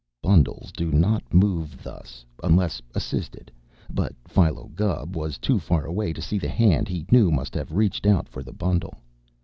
Bundles do not move thus, unless assisted, but Philo Gubb was too far away to see the hand he knew must have reached out for the bundle.